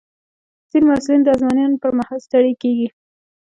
ځینې محصلین د ازموینو پر مهال ستړي کېږي.